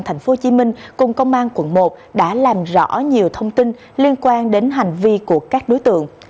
tp hcm cùng công an quận một đã làm rõ nhiều thông tin liên quan đến hành vi của các đối tượng